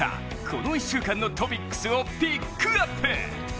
この１週間のトピックスをピックアップ！